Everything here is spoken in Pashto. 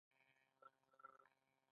هر ټرانزیسټر ډیر زیات قوي دی.